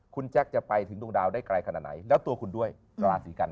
คุณแจ็คจะไปถึงดวงดาวได้ไกลขนาดไหน